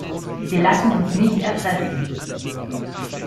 Wir lassen uns nicht erpressen.